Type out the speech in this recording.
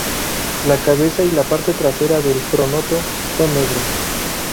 La cabeza y la parte trasera del pronoto son negros.